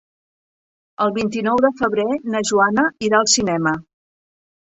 El vint-i-nou de febrer na Joana irà al cinema.